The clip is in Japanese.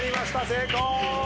成功。